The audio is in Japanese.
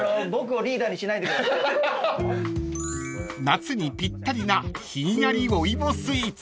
［夏にぴったりなひんやりお芋スイーツ］